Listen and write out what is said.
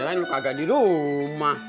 gue kira ini lu kagak di rumah